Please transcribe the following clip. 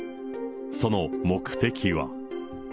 その目的は。